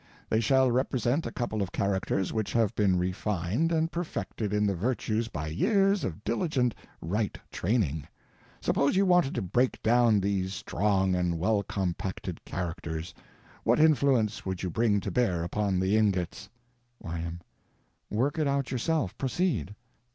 They shall represent a couple of characters which have been refined and perfected in the virtues by years of diligent right training. Suppose you wanted to break down these strong and well compacted characters—what influence would you bring to bear upon the ingots? Y.M. Work it out yourself. Proceed.